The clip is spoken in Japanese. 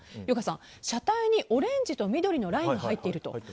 ゆかさん、車体にオレンジと緑のラインが入っていると。